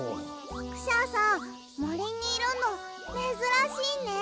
クシャさんもりにいるのめずらしいね。